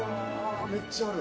めっちゃある。